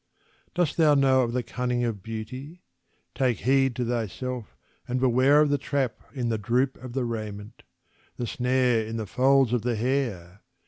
Dost thou know of the cunning of Beauty? Take heed to thyself and beware Of the trap in the droop in the raiment the snare in the folds of the hair!